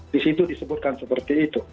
di situ disebutkan seperti itu